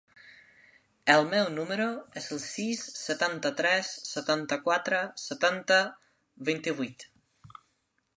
El meu número es el sis, setanta-tres, setanta-quatre, setanta, vint-i-vuit.